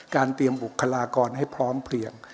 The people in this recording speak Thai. เตรียมบุคลากรให้พร้อมเพลียง